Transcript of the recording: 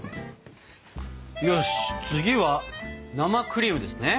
よし次は生クリームですね。